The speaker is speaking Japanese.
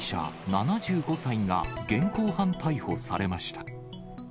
７５歳が現行犯逮捕されました。